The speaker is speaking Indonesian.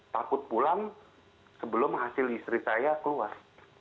takut pulang sebelum hasil istri saya keluar